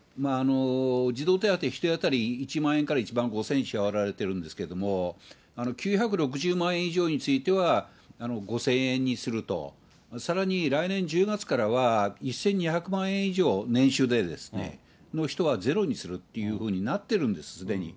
児童手当１人当たり１万円から１万５０００円支払われているんですけれども、９６０万円以上については５０００円にすると、さらに来年１０月からは、１２００万円以上、年収でですね、の人はゼロにするっていうふうになってるんです、すでに。